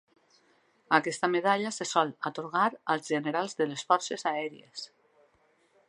Aquesta medalla se sol atorgar als generals de les Forces Aèries.